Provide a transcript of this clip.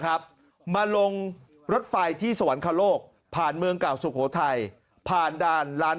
ครับมาลงรถไฟที่สวรรคโลกผ่านเมืองเก่าสุโขทัยผ่านด่านลาน